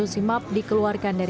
tapi saya ingin menjelaskanentar